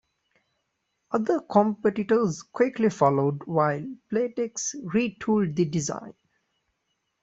Other competitors quickly followed while Playtex retooled the design.